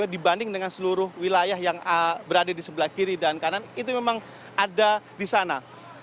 dibanding dengan seluruh wilayah yang berada di sebelah kiri dan kanan itu memang ada di sana